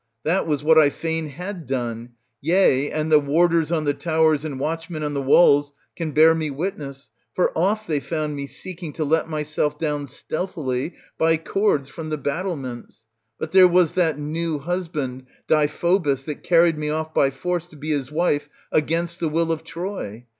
That was what I fain had done; yea, and the warders on the towers and watch men on the walls can bear me witness, for oft they found me seeking to let myself down stealthily by cords from the battlements ; but there was that new husband, Deiphobus, that carried me off by force to be his wife against the will of Troy.